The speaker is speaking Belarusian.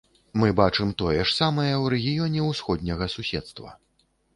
Мы бачым тое ж самае ў рэгіёне ўсходняга суседства.